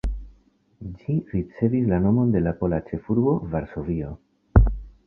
Ĝi ricevis la nomon de la pola ĉefurbo Varsovio.